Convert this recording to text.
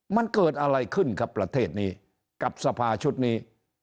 มันเกิดอะไรขึ้นครับประเทศนี้กับสภาชุดนี้